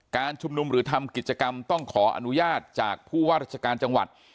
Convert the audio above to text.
การชุมนุมหรือทำกิจกรรมต้องขออนุญาตจากผู้ว่าราชการจังหวัด